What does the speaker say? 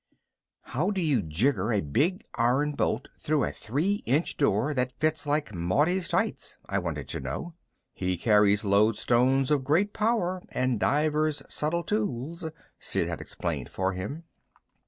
"How do you jigger a big iron bolt through a three inch door that fits like Maudie's tights?" I wanted to know. "He carries lodestones of great power and divers subtle tools," Sid had explained for him.